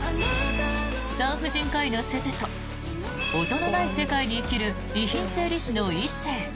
産婦人科医の鈴と音のない世界に生きる遺品整理士の一星。